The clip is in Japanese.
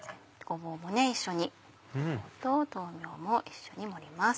ごぼうと豆苗も一緒に盛ります。